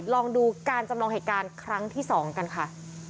ลองดูการจำลองเหตุการณ์ครั้งที่๒กันค่ะ